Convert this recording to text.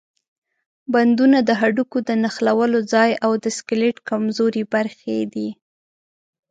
بندونه د هډوکو د نښلولو ځای او د سکلیټ کمزورې برخې دي.